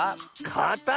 「かた」？